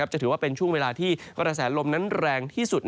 จะถือว่าเป็นช่วงเวลาที่กระแสลมนั้นแรงที่สุด